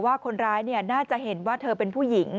ว่าคนร้ายน่าจะเห็นว่าเธอเป็นผู้หญิง